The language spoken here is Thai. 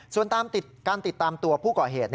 ส่วนการติดตามตัวผู้ก่อเหตุ